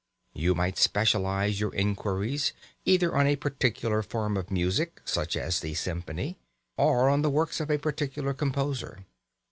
You might specialise your inquiries either on a particular form of music (such as the symphony), or on the works of a particular composer.